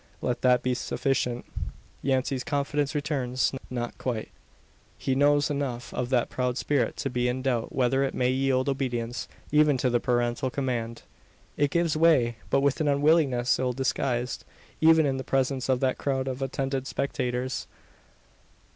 Let that be sufficient." Yancey's confidence returns. Not quite. He knows enough of that proud spirit to be in doubt whether it may yield obedience even to the parental command. It gives way; but with an unwillingness ill disguised, even in the presence of that crowd of attentive spectators.